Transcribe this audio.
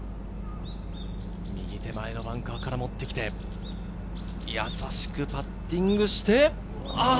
右手前のバンカーから持ってきて、優しくパッティングして。